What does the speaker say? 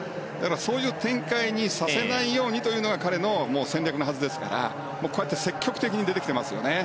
そういう展開にさせないようにというのが彼の戦略のはずですからこうやって積極的に出てきていますよね。